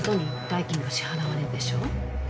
代金が支払われるでしょ